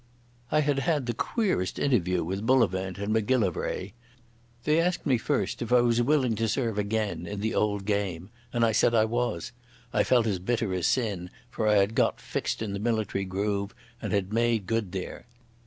I had had the queerest interview with Bullivant and Macgillivray. They asked me first if I was willing to serve again in the old game, and I said I was. I felt as bitter as sin, for I had got fixed in the military groove, and had made good there.